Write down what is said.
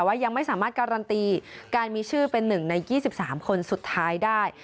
ยังไม่สามารถการันตีการมีชื่อเป็น๑ใน๒๓คนสุดท้ายได้